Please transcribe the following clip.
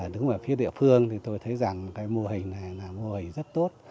đứng ở phía địa phương thì tôi thấy rằng cái mô hình này là mô hình rất tốt